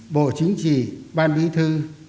bộ chính trị ban bí thư